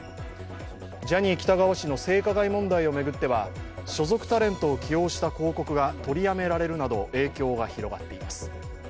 ジャニー喜多川氏の性加害問題を巡っては所属タレントを起用した広告が取りやめられるなど、影響が広がっています。